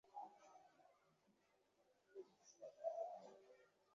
তুমি অন্য দানবদের আঘাত করছো, নিজের লোকেদের অপমান করছো।